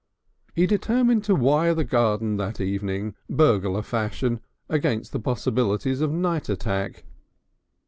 He determined to wire the garden that evening, burglar fashion, against the possibilities of a night attack.